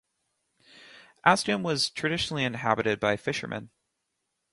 Askim was traditionally inhabited by fishermen.